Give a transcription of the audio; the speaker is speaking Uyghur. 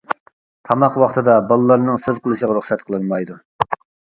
تاماق ۋاقتىدا بالىلارنىڭ سۆز قىلىشىغا رۇخسەت قىلىنمايدۇ.